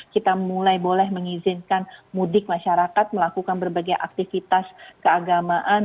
kita mulai boleh mengizinkan mudik masyarakat melakukan berbagai aktivitas keagamaan